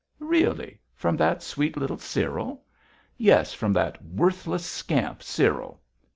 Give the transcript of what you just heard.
'Really! from that sweet little Cyril!' 'Yes, from that worthless scamp Cyril!